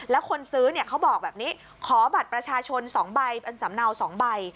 แล้วคนซื้อเนี่ยเขาบอกแบบนี้ขอบัตรประชาชน๒ใบเป็นสำเนา๒ใบ